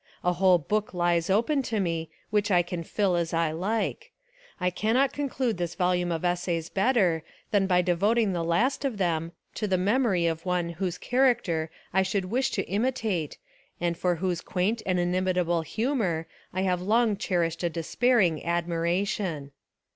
A whole book lies open to me, which I can fill as I like. I cannot conclude this vol ume of essays better than by devoting the last of them to the memory of one whose character I would wish to Imitate and for whose quaint 269 Essays and Literary Studies and inimitable humour I have long cherished a despairing admiration.